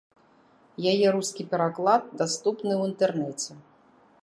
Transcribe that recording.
Яе рускі пераклад даступны ў інтэрнэце.